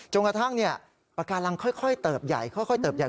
กระทั่งปากการังค่อยเติบใหญ่ค่อยเติบใหญ่